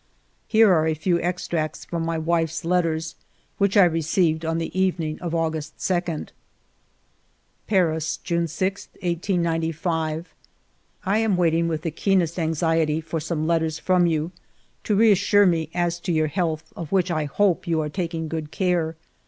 Here are a few extracts from my wife's letters, which I received on the evening of August 2 :Paris, June 6, 1895. " I am w^aiting with the keenest anxiety for some letters from you, to reassure me as to your health, of which I hope you are taking good care.